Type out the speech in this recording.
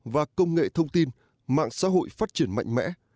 và công nghệ thông tin mạng xã hội phát triển mạnh mẽ